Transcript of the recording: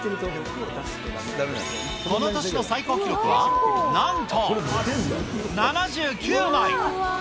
この年の最高記録は、なんと、７９枚。